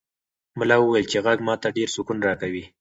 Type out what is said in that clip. ملا وویل چې غږ ماته ډېر سکون راکوي.